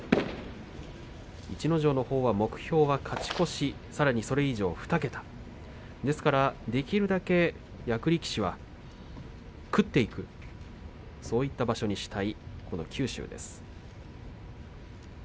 逸ノ城のほうは目標は勝ち越しさらにそれ以上、２桁ですからできるだけ、役力士は食っていくそういった場所にしたい九州です。